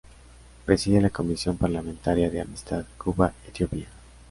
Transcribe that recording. Preside la Comisión Parlamentaria de Amistad Cuba-Etiopía.